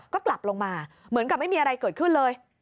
ก็กลับลงมาเหมือนกับไม่มีอะไรเกิดขึ้นเลย